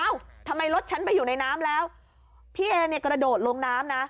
ทำไมรถฉันไปอยู่ในน้ำแล้วพี่เอเนี่ยกระโดดลงน้ำนะ